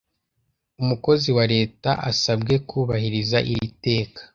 umukozi wa leta asabwe kubahiriza iri teka